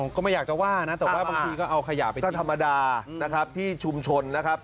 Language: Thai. ก็ไม่อยากจะว่านะแต่ว่าบางทีก็เอาขยะไปก็ธรรมดานะครับที่ชุมชนนะครับ